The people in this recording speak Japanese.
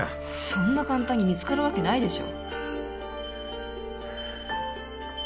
そんな簡単に見つかるわけないでしょ